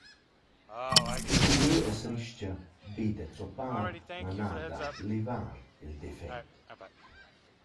Cha uschigliö as ris-cha «be da zoppar, ma na da levar il defet».